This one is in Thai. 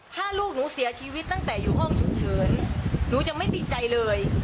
ถ้าลูกหนูเสียชีวิตตั้งแต่อยู่ห้องฉุกเฉินหนูยังไม่ติดใจเลย